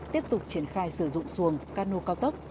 tiếp tục triển khai sử dụng xuồng cano cao tốc